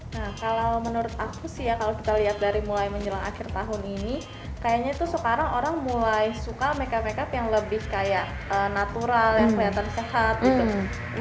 nah kalau menurut aku sih ya kalau kita lihat dari mulai menjelang akhir tahun ini kayaknya tuh sekarang orang mulai suka makeup makeup yang lebih kayak natural yang kelihatan sehat gitu